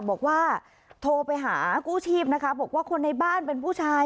บอกว่าโทรไปหากู้ชีพนะคะบอกว่าคนในบ้านเป็นผู้ชาย